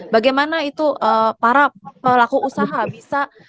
bagaimana itu para pelaku usaha bisa